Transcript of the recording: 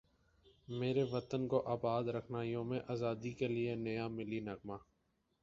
میرے وطن کو اباد رکھنایوم ازادی کے لیے نیا ملی نغمہ